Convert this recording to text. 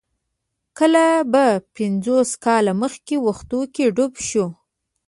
کله به پنځوس کاله مخکې وختونو کې ډوب شو.